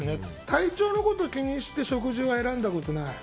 体調のこと気にして食事を選んだことない。